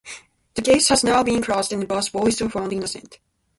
The case has now been closed and both boys were found innocent.